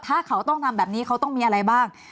ถ้าเขาต้องทำแบบนี้เขาต้องมีอะไรบ้าง